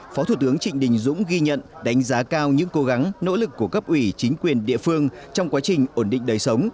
phó thủ tướng trịnh đình dũng ghi nhận đánh giá cao những cố gắng nỗ lực của cấp ủy chính quyền địa phương trong quá trình ổn định đời sống